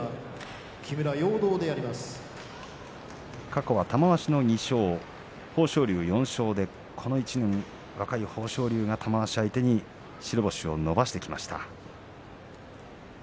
過去は玉鷲の２勝豊昇龍４勝でこの１年は若い豊昇龍が玉鷲を相手に白星を伸ばしていきました。